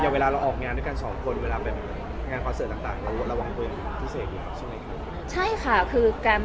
เวลาเราออกงานด้วยกัน๒คนเวลาในการคอนเสิร์ตต่าง